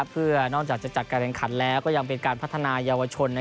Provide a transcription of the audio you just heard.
เพื่อนอกจากจะจัดการแข่งขันแล้วก็ยังเป็นการพัฒนายาวชน